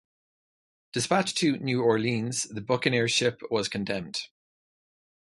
Dispatched to New Orleans, the buccaneer ship was condemned.